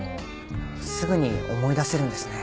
すぐに思い出せるんですね。